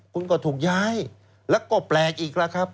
คุณก็ถูกย้ายแล้วก็แปลกอีกแล้วครับ